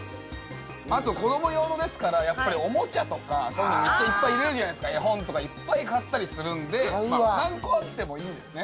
あと子ども用ですからやっぱりおもちゃとかそういうのめっちゃいっぱい入れるじゃないですか絵本とかいっぱい買ったりするんで何個あってもいいんですね